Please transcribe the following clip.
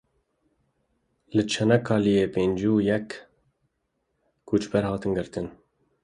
Li Çanakkaleyê pêncî û yek koçber hatin girtin.